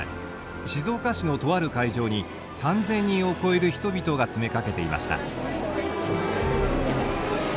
静岡市のとある会場に３，０００人を超える人々が詰めかけていました。